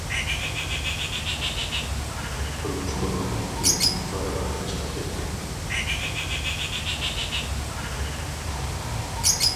تۇرمۇش قۇرغاندىن كىيىن بارا-بارا چىقىپ كەتتىم.